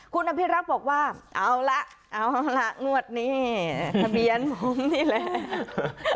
คุณอภิรักษ์บอกว่าเอาละเอาล่ะงวดนี้ทะเบียนผมนี่แหละ